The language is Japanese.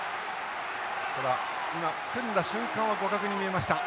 ただ今組んだ瞬間は互角に見えました。